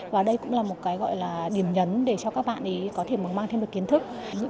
và đây cũng là một cái gọi là điểm nhấn để cho các bạn ấy có thể mang thêm được kiến thức